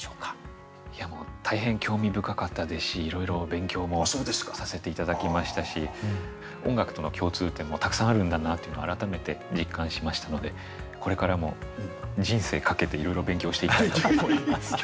いやもう大変興味深かったですしいろいろ勉強もさせて頂きましたし音楽との共通点もたくさんあるんだなっていうのを改めて実感しましたのでこれからも人生かけていろいろ勉強をしていきたいと思います。